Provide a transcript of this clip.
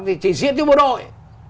thì chỉ diễn cho bộ đội